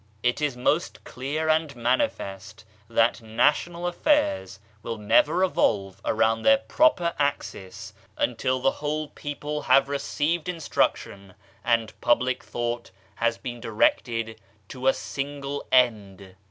It is most clear and manifest that national affairs will never revolve around their proper axis until the whole people have received instruction, and public thought has been directed to a single end.